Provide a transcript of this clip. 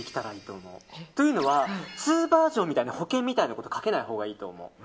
ツーバージョンみたいな保険みたいなのをかけないほうがいいと思う。